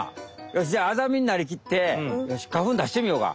よしじゃあアザミになりきってよし花粉出してみようか？